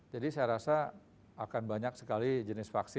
jadi saya rasa akan banyak sekali jenis vaksin